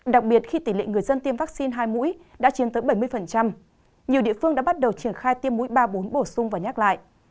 đặc biệt khi tỷ lệ người dân tiêm vaccine hai mũi đã chiếm tới bảy mươi nhiều địa phương đã bắt đầu triển khai tiêm mũi ba bốn bổ sung và nhắc lại